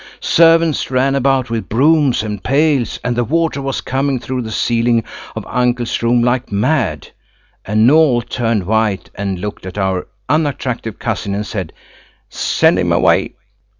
Servants ran about with brooms and pails, and the water was coming through the ceiling of uncle's room like mad, and Noël turned white and looked at our unattractive cousin and said: "Send him away."